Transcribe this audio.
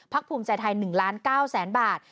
พักภูมิใจไทย๑๙๐๐๐๐๐บาท